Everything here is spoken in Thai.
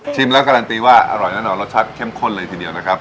แล้วการันตีว่าอร่อยแน่นอนรสชาติเข้มข้นเลยทีเดียวนะครับ